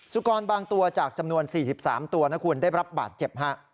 สุกรบางตัวจากจำนวน๔๓ตัวนะคุณได้รับบาดเจ็บฮะ